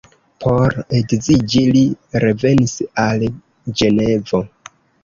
Por edziĝi li revenis al Ĝenevo.